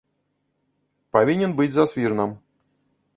Павінен быць за свірнам.